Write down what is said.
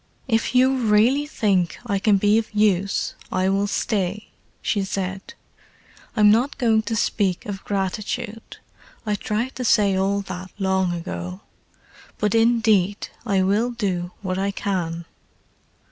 "If you really think I can be of use I will stay," she said. "I'm not going to speak of gratitude—I tried to say all that long ago. But indeed I will do what I can."